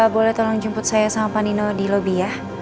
boleh tolong jemput saya sama panino di lobby ya